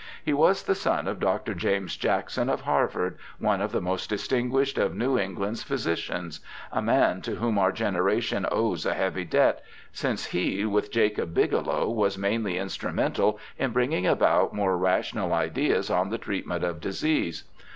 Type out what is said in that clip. He was the son of Dr. James Jackson, of Harvard, one of the most distinguished of New England's physicians, a man to whom our generation owes a heavy debt, since he, with Jacob Bigelow, was mainly instrumental in bringing about more rational ideas on the treatment of disease.